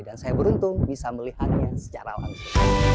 dan saya beruntung bisa melihatnya secara langsung